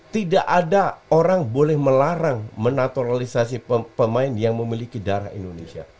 tidak ada orang boleh melarang menaturalisasi pemain yang memiliki darah indonesia